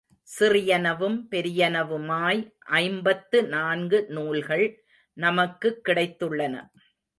சிறியனவும், பெரியனவுமாய் ஐம்பத்து நான்கு நூல்கள் நமக்குக் கிடைத்துள்ளன.